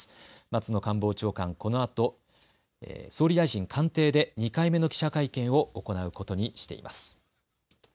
松野官房長官、このあと総理大臣官邸で２回目の記者会見を行うことにしています。